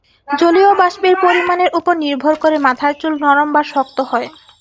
জলীয় বাষ্পের পরিমাণের ওপর নির্ভর করে মাথার চুল নরম বা শক্ত হয়।